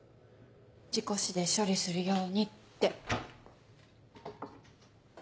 「事故死で処理するように」って。